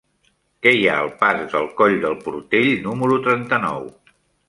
Què hi ha al pas del Coll del Portell número trenta-nou?